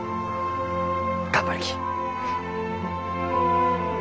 頑張るき。